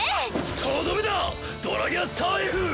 とどめだドラギアスターＦ！